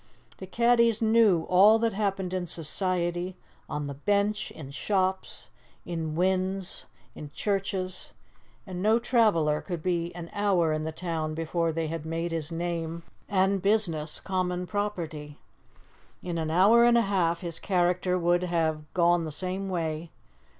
The caddies knew all that happened in society, on the bench, in shops, in wynds, in churches, and no traveller could be an hour in the town before they had made his name and business common property. In an hour and a half his character would have gone the same way.